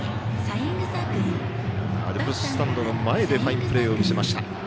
ススタンドの前でファインプレーを見せました。